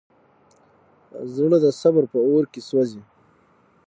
زړه د صبر په اور کې سوځي.